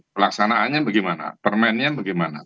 pelaksanaannya bagaimana permennya bagaimana